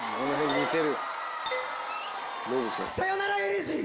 似てる？